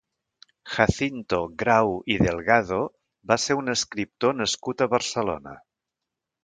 Jacinto Grau i Delgado va ser un escriptor nascut a Barcelona.